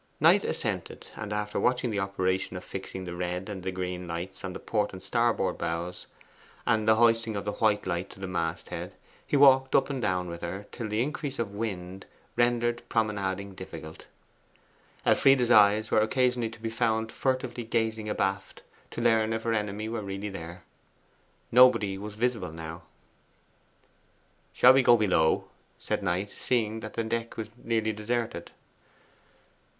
Knight assented, and after watching the operation of fixing the red and the green lights on the port and starboard bows, and the hoisting of the white light to the masthead, he walked up and down with her till the increase of wind rendered promenading difficult. Elfride's eyes were occasionally to be found furtively gazing abaft, to learn if her enemy were really there. Nobody was visible now. 'Shall we go below?' said Knight, seeing that the deck was nearly deserted.